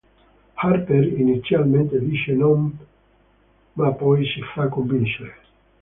Harper inizialmente dice no ma poi si fa convincere.